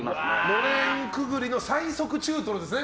のれんくぐりの最速中トロですね。